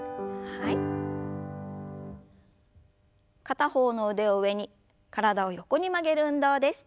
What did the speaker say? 片方の腕を上に体を横に曲げる運動です。